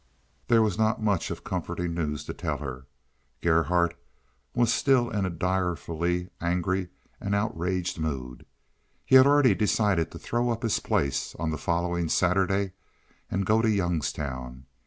There was not much of comforting news to tell her. Gerhardt was still in a direfully angry and outraged mood. He had already decided to throw up his place on the following Saturday and go to Youngstown.